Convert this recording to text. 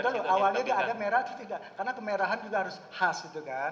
tidak awalnya tidak ada merah itu tidak karena kemerahan juga harus khas itu kan